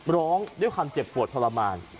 ร้องด้วยความเจ็บปวดทรมาน